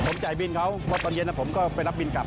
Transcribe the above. ผมจ่ายบินเค้าเมื่อประนเย็นแล้วผมก็ไปนับบินกลับ